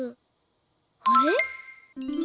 あれ？